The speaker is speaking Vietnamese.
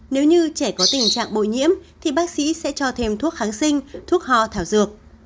nếu như trẻ có tình trạng bội nhiễm thì bác sĩ sẽ cho thêm thuốc kháng sinh thuốc họ thảo dược